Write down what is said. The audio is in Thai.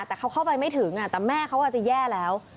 แต่เขาเข้าไปไม่ถึงแต่แม่เขาอาจจะแย่แล้ว